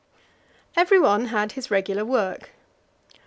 Everyone had his regular work.